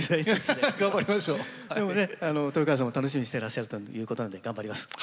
でもね豊川さんも楽しみにしてらっしゃるということなんで頑張ります。